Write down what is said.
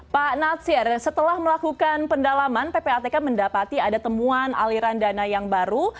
pak natsir setelah melakukan pendalaman ppatk mendapati ada temuan aliran dana yang baru